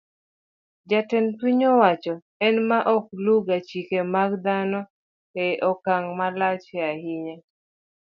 Jotend piny owacho e ma ok luwga chike mag dhano e okang' malach ahinya.